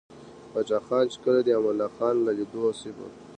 پاچاخان ،چې کله دې امان الله خان له ليدلو o